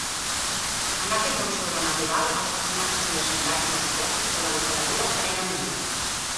En aquest món sobrenatural, els personatges llegendaris dels clàssics de la literatura prenen vida.